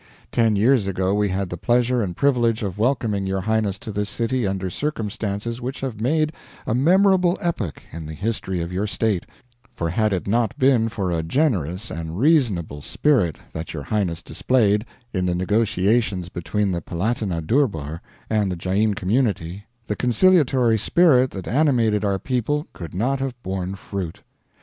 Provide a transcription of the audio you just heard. Ten years ago we had the pleasure and privilege of welcoming your Highness to this city under circumstances which have made a memorable epoch in the history of your State, for had it not been for a generous and reasonable spirit that your Highness displayed in the negotiations between the Palitana Durbar and the Jain community, the conciliatory spirit that animated our people could not have borne fruit.